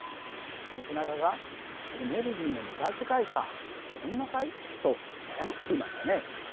ノブナガが「エネルギーの無駄遣いかごめんなさい」と謝っていましたね。